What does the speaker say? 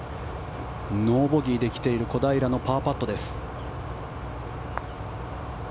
ノーボギーで来ている小平のパーパットです。